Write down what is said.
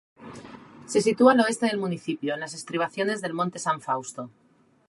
Se sitúa al oeste del municipio, en las estribaciones del monte San Fausto.